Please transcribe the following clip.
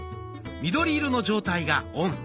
緑色の状態がオン。